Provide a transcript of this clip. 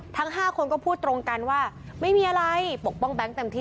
ทั้ง๕คนก็พูดตรงกันว่าไม่มีอะไรปกป้องแบงค์เต็มที่